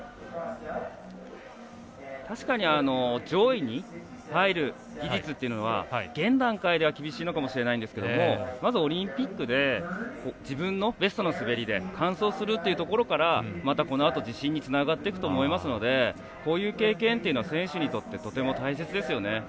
確かに上位に入る技術っていうのは現段階では厳しいのかもしれませんけどまずオリンピックで自分のベストな滑りで完走するというところからまたこのあと自信につながっていくと思いますのでこういう経験というのは選手にとってとても大切ですよね。